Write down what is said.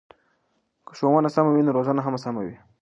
که ښوونه سمه وي نو روزنه هم سمه وي.